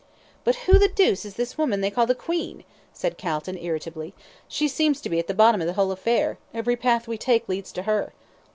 "But who the deuce is this woman they call the 'Queen'?" said Calton, irritably. "She seems to be at the bottom of the whole affair every path we take leads to her."